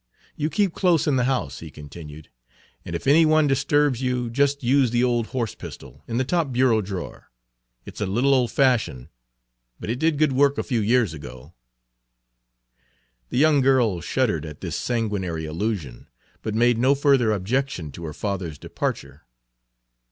You keep close in the house," he continued, "and if any one disturbs you just use the old horse pistol in the top bureau drawer. It 's a little old fashioned, but it did good work a few years ago." The young girl shuddered at this sanguinary allusion, but made no further objection to her father's departure.